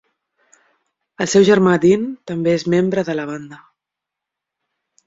El seu germà Dean també és membre de la banda.